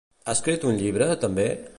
Ha escrit un llibre, també?